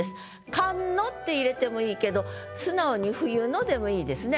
「寒の」って入れてもいいけど素直に「冬の」でもいいですね。